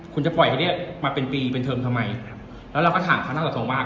คุณจะปล่อยให้เรียกมาเป็นปีเป็นเทอมทำไมครับแล้วเราก็ถามคำหน้าต่อตรงว่า